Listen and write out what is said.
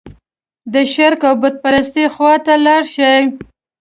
د شرک او بوت پرستۍ خوا ته لاړ شي.